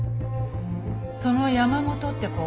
その山本って子